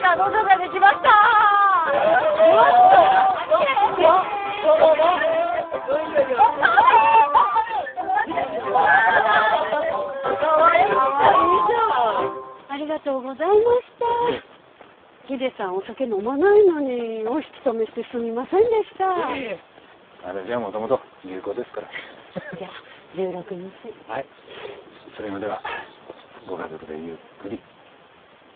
それまではご家族でゆっくり。